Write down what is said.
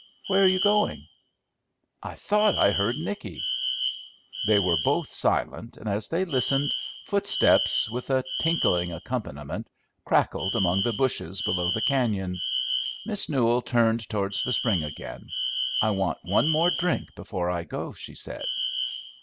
Where are you going?" "I thought I heard Nicky." They were both silent, and as they listened, footsteps, with a tinkling accompaniment, crackled among the bushes below the cañon. Miss Newell turned towards the spring again. "I want one more drink before I go," she said.